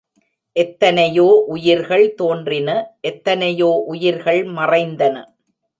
எத்தனையோ உயிர்கள் தோன்றின எத்தனையோ உயிர்கள் மறைந்தன.